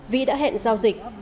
vĩ đã hẹn giao dịch